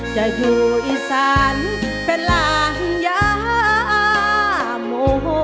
จะอยู่อิสรารเป็นล่างยามู